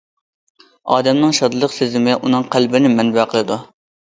ئادەمنىڭ شادلىق سېزىمى ئۇنىڭ قەلبىنى مەنبە قىلىدۇ.